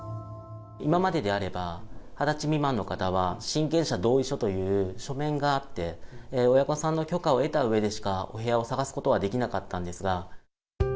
今までであれば、２０歳未満の方は親権者同意書という書面があって、親御さんの許可を得たうえでしかお部屋を探すことはできなかったんですが。